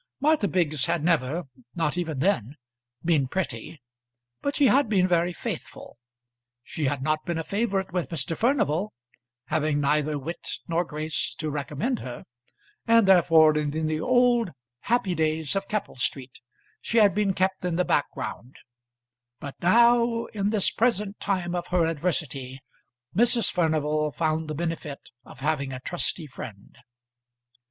Martha Biggs had never, not even then, been pretty; but she had been very faithful. She had not been a favourite with Mr. Furnival, having neither wit nor grace to recommend her, and therefore in the old happy days of Keppel Street she had been kept in the background; but now, in this present time of her adversity, Mrs. Furnival found the benefit of having a trusty friend.